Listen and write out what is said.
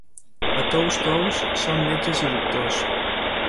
A Tous tots són metges i doctors.